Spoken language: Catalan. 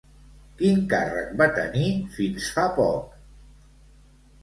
Quin càrrec va tenir fins fa poc?